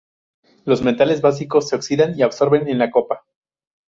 Los metales básicos se oxidan y absorben en la copa.